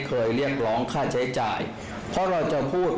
ก็เป็นเรื่องของความเชื่อความศรัทธาเป็นการสร้างขวัญและกำลังใจ